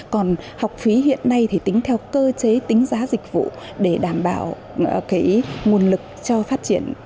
còn học phí hiện nay thì tính theo cơ chế tính giá dịch vụ để đảm bảo cái nguồn lực cho phát triển